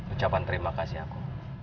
ucapan terima kasih aku